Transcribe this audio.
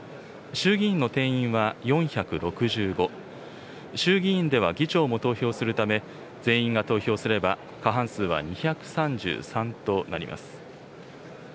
衆議院では議長も投票するため、全員が投票すれば、過半数は２３３となります。